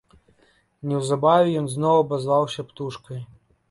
Неўзабаве ён зноў абазваўся птушкай.